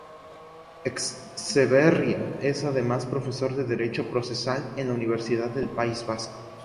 Etxeberria es además profesor de Derecho Procesal en la Universidad del País Vasco.